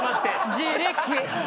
自力！